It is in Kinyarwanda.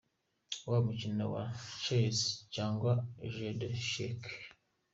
Mu mukino wa Chess cyangwa Jeu d’Echecs.